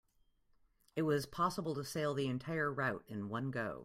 It was possible to sail the entire route in one go.